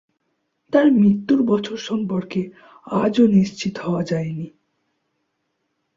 তার মৃত্যুর বছর সম্পর্কে আজও নিশ্চিত হওয়া যায়নি।